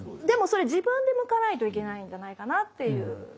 でもそれ自分で剥かないといけないんじゃないかなっていう。